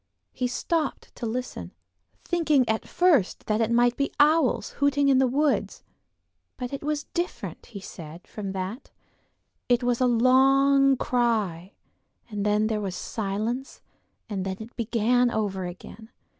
He stopped to listen, thinking at first that it might be owls hooting in the woods; but it was different, he said, from that: it was a long cry, and then there was silence and then it began over again.